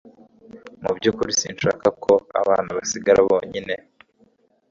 Mu byukuri sinshaka ko abana basigara bonyine